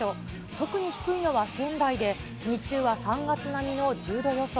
特に低いのは仙台で、日中は３月並みの１０度予想。